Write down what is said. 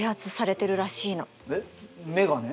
えっ眼鏡？